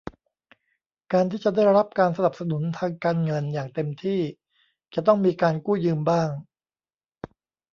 การที่จะได้รับการสนับสนุนทางการเงินอย่างเต็มที่ จะต้องมีการกู้ยืมบ้าง